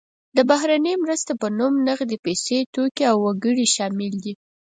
د بهرنۍ مرستې په نوم نغدې پیسې، توکي او وګړي شامل دي.